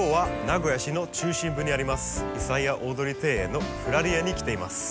久屋大通庭園のフラリエに来ています。